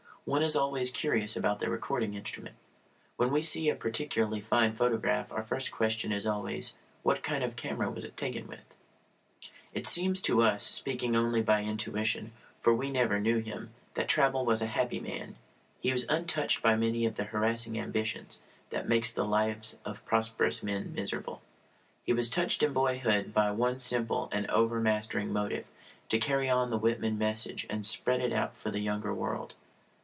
One is always curious about the recording instrument. When we see a particularly fine photograph our first question is always, "What kind of camera was it taken with?" It seems to us speaking only by intuition, for we never knew him that Traubel was a happy man. He was untouched by many of the harassing ambitions that make the lives of prosperous men miserable. He was touched in boyhood by one simple and overmastering motive to carry on the Whitman message and spread it out for the younger world.